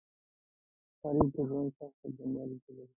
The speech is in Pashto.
غریب د ژوند سخته دنیا لیدلې ده